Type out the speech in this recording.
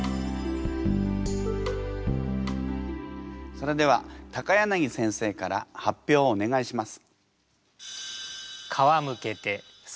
それでは柳先生から発表をお願いします。